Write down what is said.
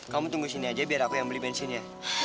kamu tunggu sini aja biar aku yang beli bensinnya